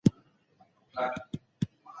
ولي خلګ له ژونده لاس اخلي؟